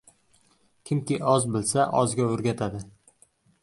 Kimki oz bilsa, ozga o‘rgatadi.